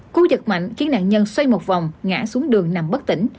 cú giật mạnh khiến nạn nhân xoay một vòng ngã xuống đường nằm bất tỉnh